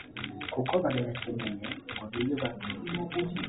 kuko barayakeneye ngo biyubake